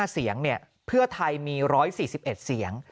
๕เสียงเพื่อไทยมี๑๔๑เสียง